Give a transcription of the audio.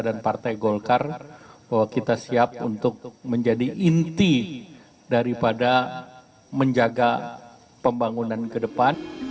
dan partai golkar bahwa kita siap untuk menjadi inti daripada menjaga pembangunan ke depan